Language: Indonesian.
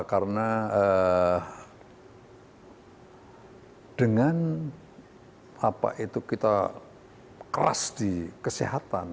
karena dengan kita keras di kesehatan